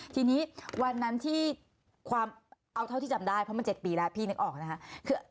ทีนี้วันนั้นที่ความเอาเท่าที่จำได้เพราะมัน๗ปีแล้วพี่นึกออกนะคะ